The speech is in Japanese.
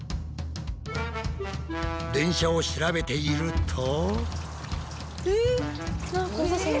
電車を調べていると。